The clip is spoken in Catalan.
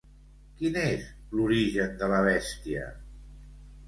Quin és l'origen de la bèstia?